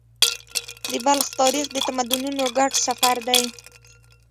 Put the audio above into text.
د بلخ تاریخ د تمدنونو ګډ سفر دی.